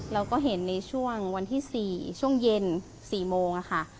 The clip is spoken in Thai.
เราก็เห็นในช่วงวันที่๔ช่วงเย็น๔โมงค่ะ